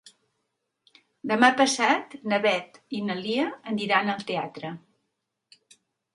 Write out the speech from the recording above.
Demà passat na Beth i na Lia aniran al teatre.